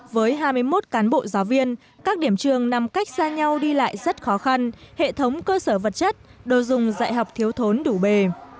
với hai mươi một cán bộ giáo viên các điểm trường nằm cách xa nhau đi lại rất khó khăn hệ thống cơ sở vật chất đồ dùng dạy học thiếu thốn đủ bề